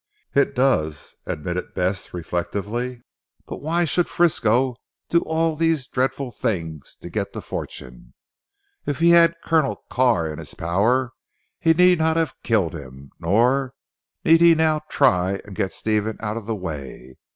"It does," admitted Bess reflectively, "but why should Frisco do all these dreadful things to get the fortune? If he had Colonel Carr in his power he need not have killed him; nor need he now try and get Stephen out of the way.